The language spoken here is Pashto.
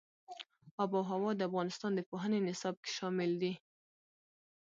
آب وهوا د افغانستان د پوهنې نصاب کې شامل دي.